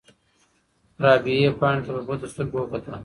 رابعې پاڼې ته په بدو سترګو وکتل.